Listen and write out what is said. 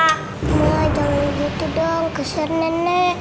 ma jangan gitu dong kesan nenek